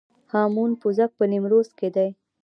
هامون پوزک په نیمروز کې دی